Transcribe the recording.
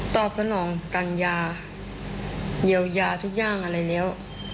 ตอบสนองกัญญาเยียวยาทุกอย่างอะไรแล้ว